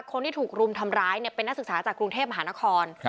คนที่ถูกรุมทำร้ายเป็นนักศึกษาจากกรุงเทพมหานคร